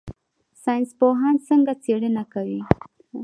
ساینس پوهان څنګه څیړنه کوي؟